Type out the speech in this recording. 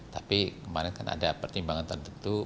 tapi kemarin kan ada pertimbangan tertentu